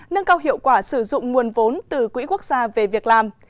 nâng cao hiệu quả sử dụng nguồn vốn từ quỹ quốc gia về việc làm